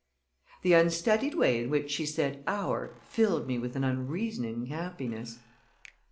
The unstudied way in which she said "our" filled me with an unreasoning happiness.